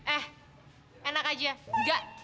eh enak aja nggak